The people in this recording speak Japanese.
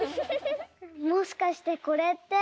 もしかしてこれって。